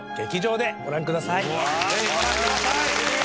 ぜひご覧ください！